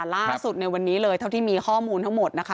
ล่าสุดในวันนี้เลยเท่าที่มีข้อมูลทั้งหมดนะคะ